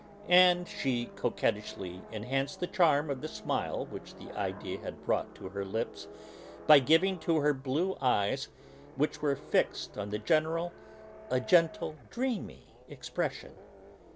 And she coquettishly enhanced the charm of the smile which the idea had brought to her lips, by giving to her blue eyes, which were fixed on the General, a gentle, dreamy expression.